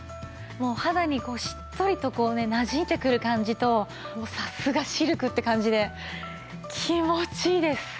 肌にしっとりとなじんでくる感じとさすがシルクって感じで気持ちいいです。